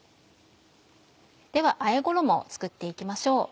ではあえ衣を作って行きましょう。